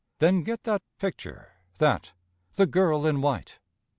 "Then get that picture that the girl in white."